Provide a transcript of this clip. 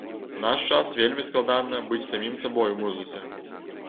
У наш час вельмі складана быць самім сабой у музыцы.